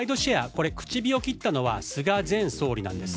これ、口火を切ったのは菅前総理なんです。